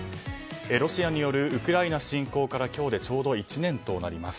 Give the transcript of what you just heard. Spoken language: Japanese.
ロシアによるウクライナ侵攻から今日でちょうど１年となります。